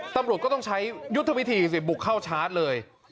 ตำรวจก็ต้องใช้ยุทธวิธีสิบุกเข้าชาร์จเลย